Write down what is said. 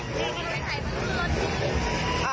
รู้เองอะไรอ่ะ